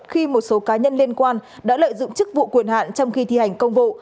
khi một số cá nhân liên quan đã lợi dụng chức vụ quyền hạn trong khi thi hành công vụ